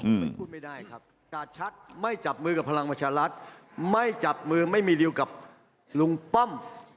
มันพูดไม่ได้ครับกาดชัดไม่จับมือกับพลังประชารัฐไม่จับมือไม่มีริวกับลุงป้อม